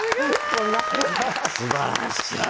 すばらしい。